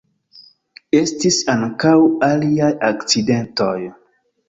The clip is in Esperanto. Estis ankaŭ aliaj akcidentoj.